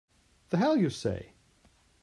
The hell you say!